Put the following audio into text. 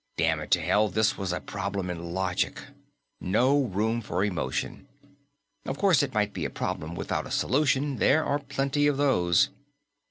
Damn it to hell, this was a problem in logic. No room for emotion. Of course, it might be a problem without a solution. There are plenty of those.